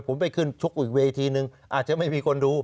ผมไปขึ้นชกอีกเวทีนึงอาจจะไม่มีคนดู